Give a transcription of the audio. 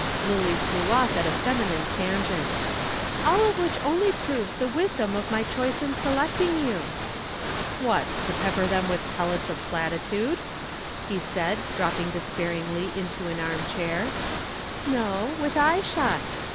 Lillie flew off at a feminine tangent. "All of which only proves the wisdom of my choice in selecting you." "What! To pepper them with pellets of platitude?" he said, dropping despairingly into an arm chair. "No. With eyeshot.